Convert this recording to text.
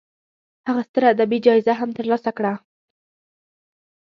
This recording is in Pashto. هغه ستره ادبي جایزه هم تر لاسه کړه.